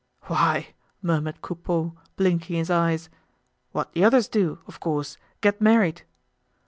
"Why!" murmured Coupeau, blinking his eyes, "what the others do, of course, get married!"